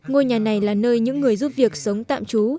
ngôi nhà này là nơi những người giúp việc sống tạm trú